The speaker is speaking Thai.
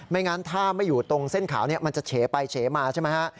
งั้นถ้าไม่อยู่ตรงเส้นขาวนี้มันจะเฉไปเฉมาใช่ไหมฮะ